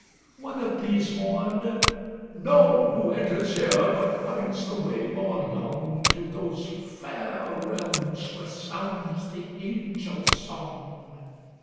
One of these mourned: "Know Who enters here but finds the way more long To those fair realms where sounds the angels' song.